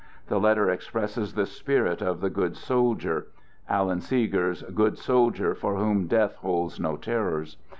The letter expresses the spirit of " the good soldier," Alan Seeger's "good soldier," for whom death holds no terrors.